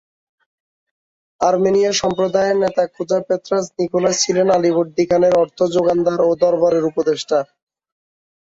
আর্মেনীয় সম্প্রদায়ের নেতা খোজা পেত্রাস নিকোলাস ছিলেন আলীবর্দী খানের অর্থ যোগানদার ও দরবারের উপদেষ্টা।